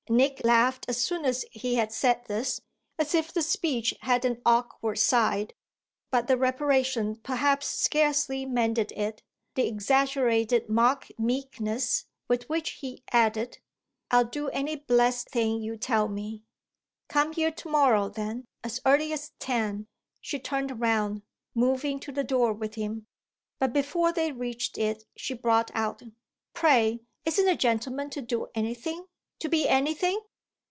Nick laughed as soon as he had said this, as if the speech had an awkward side; but the reparation perhaps scarcely mended it, the exaggerated mock meekness with which he added: "I'll do any blessed thing you tell me." "Come here to morrow then as early as ten." She turned round, moving to the door with him; but before they reached it she brought out: "Pray isn't a gentleman to do anything, to be anything?"